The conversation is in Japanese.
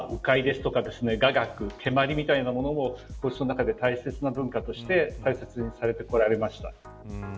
鵜飼いとか雅楽蹴鞠みたいなものを皇室の中で大切な文化として大切にしてこられました。